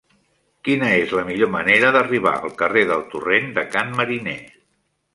Quina és la millor manera d'arribar al carrer del Torrent de Can Mariner?